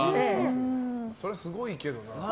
それ、すごいけどな。